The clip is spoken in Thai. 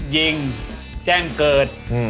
ยิงแจ้งเกิด